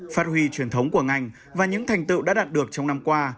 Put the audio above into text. phát huy truyền thống của ngành và những thành tựu đã đạt được trong năm qua